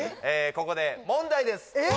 ここで問題です